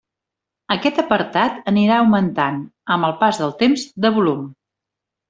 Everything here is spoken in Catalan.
Aquest apartat anirà augmentant, amb el pas del temps, de volum.